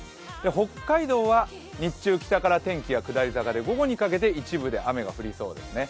北海道は日中、北から天気が下り坂で、午後にかけて一部で雨が降りそうですね。